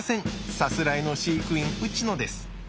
さすらいの飼育員ウチノです。